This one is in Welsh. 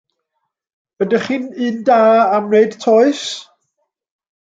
Ydych chi'n un da am wneud toes?